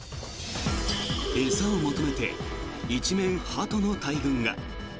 餌を求めて一面ハトの大群が。